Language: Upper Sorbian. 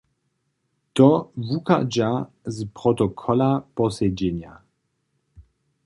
To wuchadźa z protokola posedźenja.